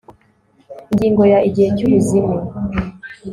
Ingingo ya Igihe cy ubuzime